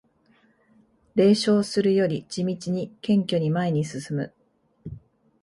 冷笑するより地道に謙虚に前に進む